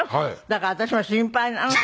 だから私も心配なの。